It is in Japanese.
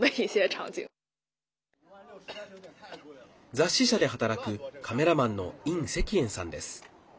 雑誌社で働くカメラマンの尹夕遠さんです。